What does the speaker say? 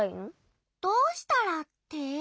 「どうしたら」って？